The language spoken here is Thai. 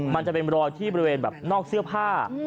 มันจะเป็นรอยที่บริเวณแบบนอกเสื้อผ้า